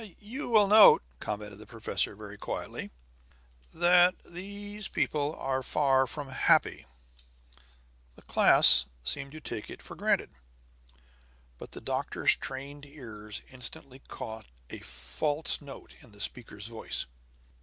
"You will note," commented the professor very quietly, "that these people are far from happy." The class seemed to take it for granted; but the doctor's trained ears instantly caught a false note in the speaker's voice.